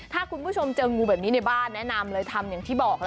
ถ้าคุณผู้ชมเจองูแบบนี้ในบ้านแนะนำเลยทำอย่างที่บอก